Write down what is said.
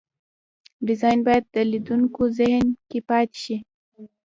ډیزاین باید د لیدونکو ذهن کې پاتې شي.